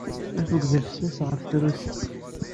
Affug d afessas ɣef trusi.